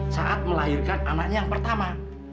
saat melahirkan anaknya yang pertama